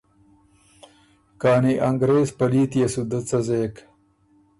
کانی انګرېز پلیت يې سو دۀ څۀ زېک؟